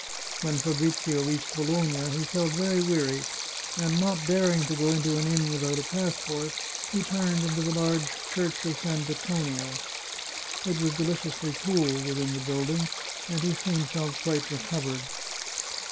When Fabrizio reached Bologna he felt very weary, and not daring to go into an inn without a passport, he turned into the large Church of San Petronio. It was deliciously cool within the building, and he soon felt quite recovered.